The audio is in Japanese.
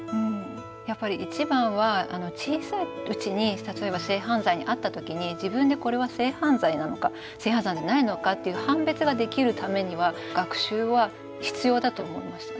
やっぱり一番は小さいうちに例えば性犯罪に遭った時に自分でこれは性犯罪なのか性犯罪じゃないのかっていう判別ができるためには学習は必要だと思いましたね。